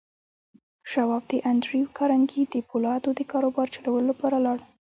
شواب د انډريو کارنګي د پولادو د کاروبار چلولو لپاره لاړ.